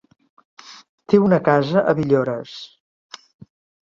Té una casa a Villores.